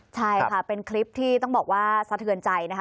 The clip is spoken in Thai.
ใช่ค่ะเป็นคลิปที่ต้องบอกว่าสะเทือนใจนะคะ